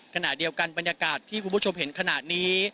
ขณะเดียวกันบรรยากาศที่คุณผู้ชมเห็นขนาดนี้